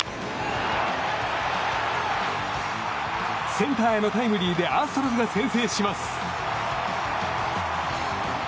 センターへのタイムリーでアストロズが先制します！